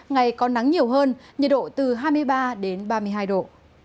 ngày có nắng nhiều hơn nhiệt độ từ hai mươi ba đến ba mươi hai độ